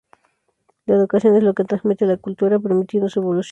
La educación es lo que transmite la cultura, permitiendo su evolución.